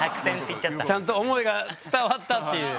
ちゃんと思いが伝わったっていう。